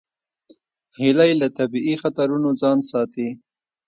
هیلۍ له طبیعي خطرونو ځان ساتي